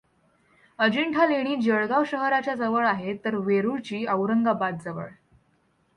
अजिंठा लेणी जळगांव शहराच्या जवळ आहेत, तर वेरूळची औरंगाबादजवळ.